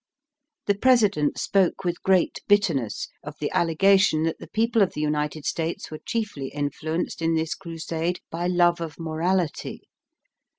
The President spoke with .great bitterness of the allegation that the people of the United States were chiefly influenced in this crusade by love of morahty.